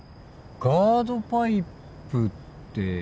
ガードパイプって。